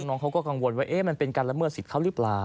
น้องเค้าก็กังวลว่ามันเป็นการรำเมื่อศิษย์เขาหรือเปล่า